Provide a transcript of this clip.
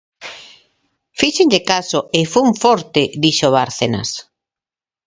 Fíxenlle caso e fun forte dixo Bárcenas.